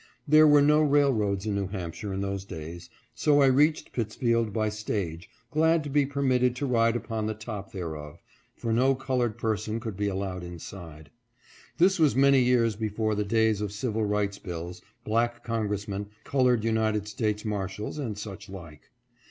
There were no railroads in New Hampshire in those days, so I reached Pittsfield by stage, glad to be permit ted to ride upon the top thereof, for no colored person could be allowed inside. This was many years before the days of civil rights bills, black Congressmen, colored United States Marshals, and such like.